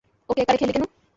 ওকে একা রেখে এলি কেন?